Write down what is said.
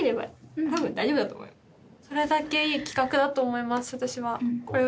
それだけいい企画だと思います私は。